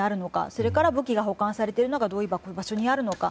それから武器が保管されている場所がどういう場所にあるのか。